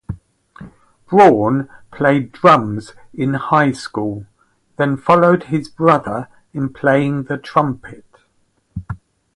Braun played drums in high school, then followed his brother in playing the trumpet.